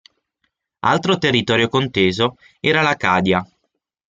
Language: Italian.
Altro territorio conteso era l'Acadia.